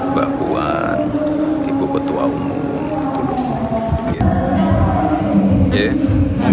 mbak puan ibu ketua umum gitu dulu